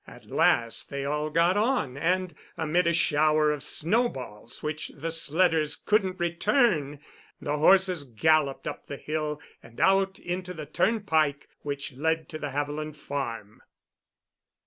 At last they all got on, and, amid a shower of snowballs which the sledders couldn't return, the horses galloped up the hill and out into the turnpike which led to the Haviland farm.